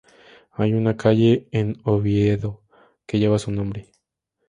Hay una calle en Oviedo que lleva su nombre.